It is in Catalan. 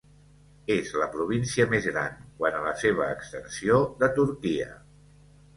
És la província més gran, quant a la seva extensió, de Turquia.